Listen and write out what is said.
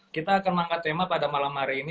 kita akan mengangkat tema pada malam hari ini